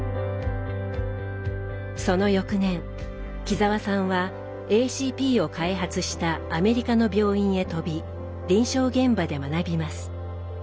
その翌年木澤さんはＡＣＰを開発したアメリカの病院へ飛び臨床現場で学びます。